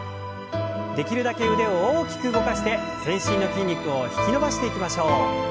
できるだけ腕を大きく動かして全身の筋肉を引き伸ばしていきましょう。